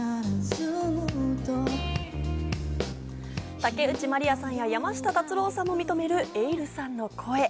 竹内まりやさんや山下達郎さんも認める、ｅｉｌｌさんの声。